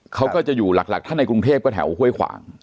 เขาก็จะอยู่หลักถ้าในกรุงเทพก็แถวห้วยขวาง